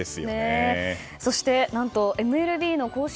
そして何とＭＬＢの公式